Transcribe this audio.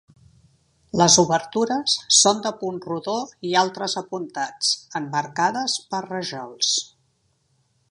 Les obertures són de punt rodó i altres apuntats, emmarcades per rajols.